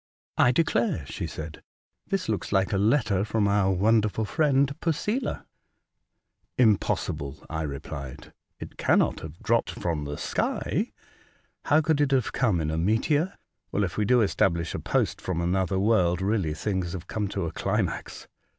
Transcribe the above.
I declare," she said, '' this looks like a letter from our wonderful friend, Posela." ''Impossible," I replied. "It cannot have dropped from the sky. How could it have come in a meteor ? Well, if we do establish a post from another world, really things have come to a climax."